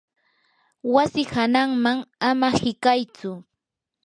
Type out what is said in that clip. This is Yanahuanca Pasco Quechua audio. wasi hananman ama hiqaytsu.